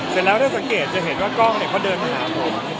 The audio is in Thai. เสร็จแล้วถ้าสังเกตจะเห็นว่ากล้องเขาเดินมาหาผม